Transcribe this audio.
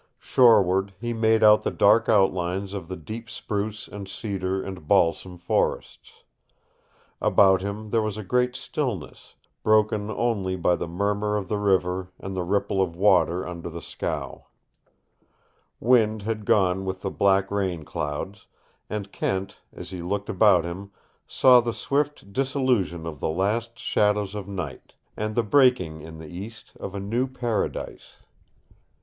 Shoreward he made out the dark outlines of the deep spruce and cedar and balsam forests. About him there was a great stillness, broken only by the murmur of the river and the ripple of water under the scow. Wind had gone with the black rainclouds, and Kent, as he looked about him, saw the swift dissolution of the last shadows of night, and the breaking in the East of a new paradise.